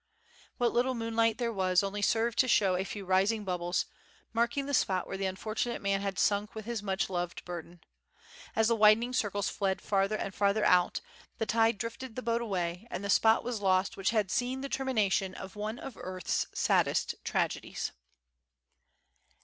What little moonlight there was, only served to show a few rising bubbles, marking the spot where the unfortunate man had sunk with his much loved burden. As the widening circles fled farther and farther out, the tide drifted the boat away, and the spot was lost which had seen the termination of one of earth's saddest tragedies.